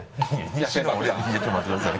西のちょっと待ってください。